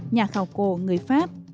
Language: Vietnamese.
nhà khảo cổ người pháp